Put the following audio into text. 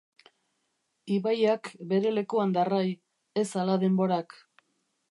Ibaiak bere lekuan darrai, ez hala denborak.